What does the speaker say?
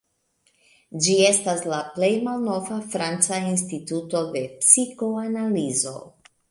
Ĝi estas la plej malnova franca instituto de psikoanalizo.